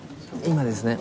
今ですね」